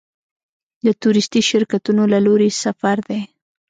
د تورېستي شرکتونو له لوري سفر دی.